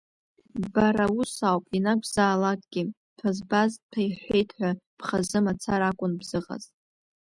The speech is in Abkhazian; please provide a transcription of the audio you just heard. Бара ус ауп, ианакәзаалакгьы, ҭәа збаз ҭәа иҳәҳәеит ҳәа, бхазы мацара акәын бзыҟаз!